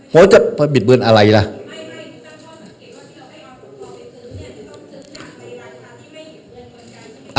โหจะป่ะบิดเงินอะไรล่ะ